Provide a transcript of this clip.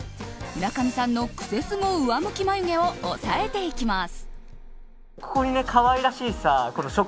村上さんのクセスゴ上向き眉毛を抑えていきます。